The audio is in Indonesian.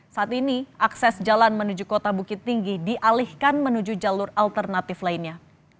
saat ini akses jalan menuju kota bukit tinggi dialihkan menuju jalur alternatif lainnya